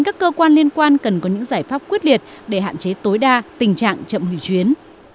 các cơ quan liên quan cần có những giải pháp quyết liệt để hạn chế tối đa tình trạng chậm hủy chuyến